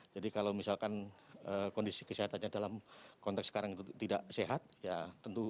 jadi kalau misalkan kondisi kesehatannya dalam konteks sekarang itu tidak sehat ya tentu akan tidak dapat untuk berkunjung ke kantor pajak